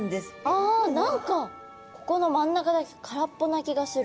ああ何かここの真ん中だけ空っぽな気がする。